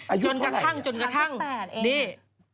อายุเท่าไหร่จนกระทั่ง๘เนี่ย